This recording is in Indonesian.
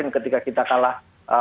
ketika kita kalah empat